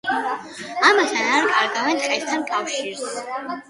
ამასთან არ კარგავენ ტყესთან კავშირს.